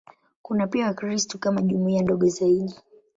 Kuna pia Wakristo kama jumuiya ndogo zaidi.